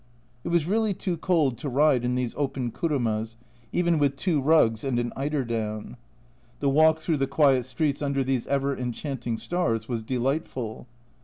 It was really too cold to ride in these open kurumas, even with two rugs and an eiderdown. The walk through the ioo A Journal from Japan quiet streets under these ever enchanting stars was delightful.